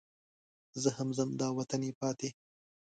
زه هم ځم دا وطن یې پاتې.